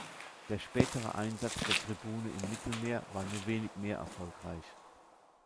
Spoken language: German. Der spätere Einsatz der "Tribune" im Mittelmeer war nur wenig mehr erfolgreich.